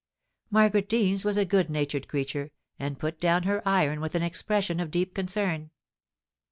* Margaret Deans was a good natured creature, and put down her iron with an expression of deep concern.